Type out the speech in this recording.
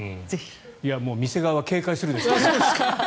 店側は警戒するでしょうね。